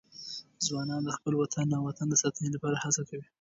ځوانان د خپل دین او وطن د ساتنې لپاره هڅه کوي.